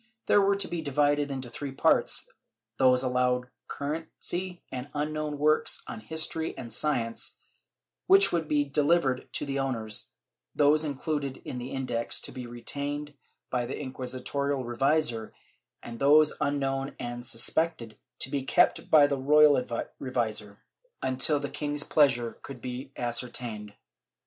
These were to be divided into three parts; those allowed currency and unknown works on history and science, which could be delivered to the owners; those included in the Index, to be retained by the inqui sitorial revisor, and those unknown and suspected, to be kept by the royal revisor, until the king's pleasure could be ascertained.